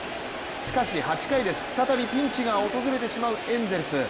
しかし８回です再びピンチが訪れてしまうエンゼルス。